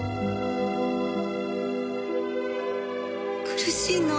苦しいの？